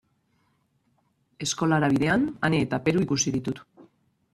Eskolara bidean Ane eta Peru ikusi ditut.